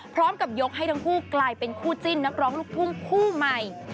ยกให้ทั้งคู่กลายเป็นคู่จิ้นนักร้องลูกทุ่งคู่ใหม่